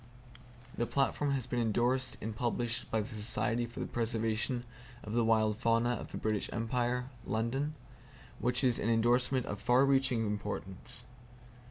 The platform has been endorsed and published by The Society for the Preservation of the Wild Fauna of the British Empire (London), which is an endorsement of far reaching importance.